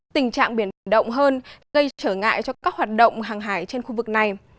tình trạng biển động hơn gây trở ngại cho các hoạt động hàng hải trên khu vực này